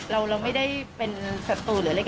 เราไม่ได้เป็นสัตว์ตัวหรืออะไร